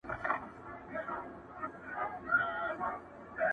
زه هغه کوږ ووږ تاک یم چي پر خپل وجود نازېږم،